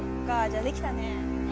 じゃあできたね。